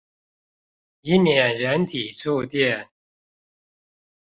以免人體觸電